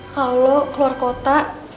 kalau lo keluar kota